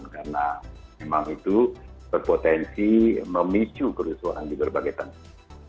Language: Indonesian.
karena memang itu berpotensi memicu kerusuhan di berbagai tanah